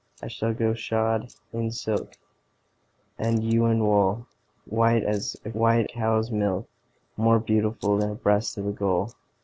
I shall go shod in silk, And you in wool, White as a white cow's milk, More beautiful Than the breast of a gull.